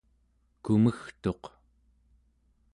kumegtuq